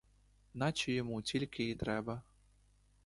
Наче йому тільки й треба.